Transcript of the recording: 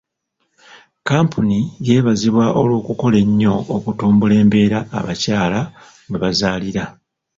Kampuni yeebazibwa olw'okukola ennyo okutumbula embeera abakyala mwe bazaalira.